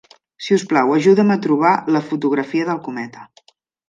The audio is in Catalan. Si us plau, ajuda'm a trobar la fotografia del Cometa.